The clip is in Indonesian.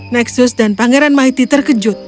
nexus dan pangeran maiti terkejut